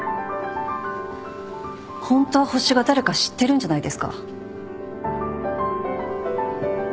ホントはホシが誰か知ってるんじゃないですか？